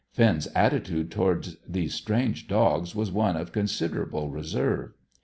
Finn's attitude towards these strange dogs was one of considerable reserve.